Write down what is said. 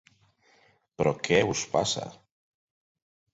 Però què us passa?